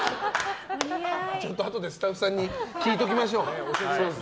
あとでスタッフさんに聞いておきましょう。